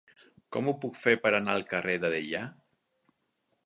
Com ho puc fer per anar al carrer de Deià?